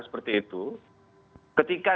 seperti itu ketika